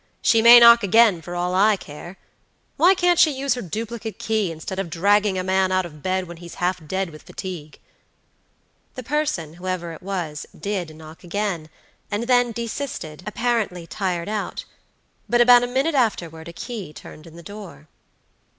"She may knock again for all I care. Why can't she use her duplicate key, instead of dragging a man out of bed when he's half dead with fatigue." The person, whoever it was, did knock again, and then desisted, apparently tired out; but about a minute afterward a key turned in the door.